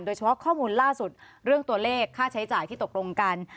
เฉพาะข้อมูลล่าสุดเรื่องตัวเลขค่าใช้จ่ายที่ตกลงกัน